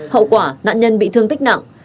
hậu quả nạn nhân bị thương tích nặng